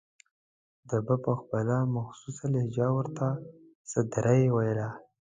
ده به په خپله مخصوصه لهجه ورته سدرۍ ویله.